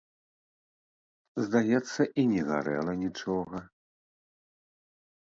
Здаецца, і не гарэла нічога.